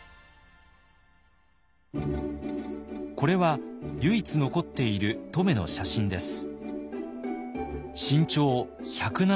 これは唯一残っている乙女の写真です。